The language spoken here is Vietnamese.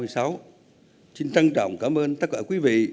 xin trân trọng cảm ơn tất cả quý vị